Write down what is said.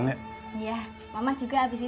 ngehargain dan bantuin